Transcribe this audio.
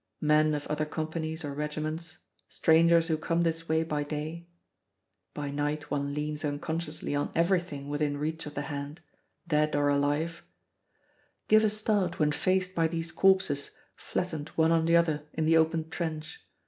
Men of other companies or regiments, strangers who come this way by day by night one leans unconsciously on everything within reach of the hand, dead or alive give a start when faced by these corpses flattened one on the other in the open trench.